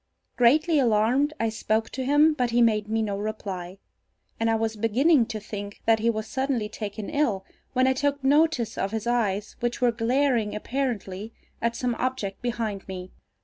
Greatly alarmed, I spoke to him, but he made me no reply, and I was beginning to think that he was suddenly taken ill, when I took notice of his eyes, which were glaring apparently at some object behind me.